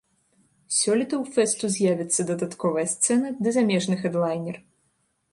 Сёлета ў фэсту з'явіцца дадатковая сцэна ды замежны хэдлайнер.